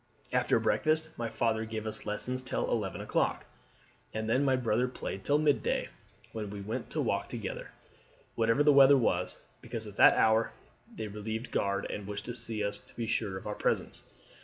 After breakfast my father gave us lessons till eleven o'clock; and then my brother played till midday, when we went to walk together, whatever the weather was, because at that hour they relieved guard and wished to see us to be sure of our presence.